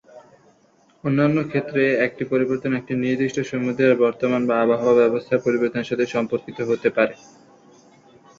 অন্যান্য ক্ষেত্রে, একটি পরিবর্তন একটি নির্দিষ্ট সমুদ্রের বর্তমান বা আবহাওয়া ব্যবস্থার পরিবর্তনের সাথে সম্পর্কিত হতে পারে।